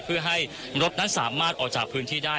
เพื่อให้รถนั้นสามารถออกจากพื้นที่ได้